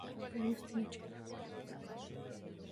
Premios Teen Choice Awards obtenidos.